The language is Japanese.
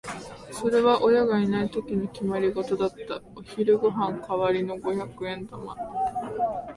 それは親がいないときの決まりごとだった。お昼ご飯代わりの五百円玉。